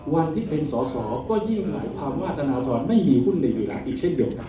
วันที่เป็นสอสอก็ยิ่งหมายความว่าธนทรไม่มีหุ้นในเวลาอีกเช่นเดียวกัน